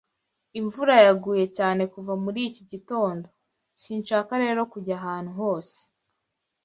Imvura yaguye cyane kuva muri iki gitondo, sinshaka rero kujya ahantu hose.